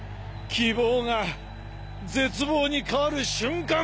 希望が絶望に変わる瞬間。